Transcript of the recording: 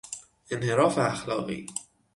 انحراف اخلاقی